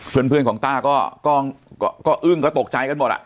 เพื่อนของต้าก็อึ้งก็ตกใจกันหมดอ่ะ